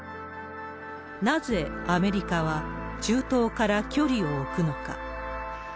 なぜアメリカは中東から距離を置くのか。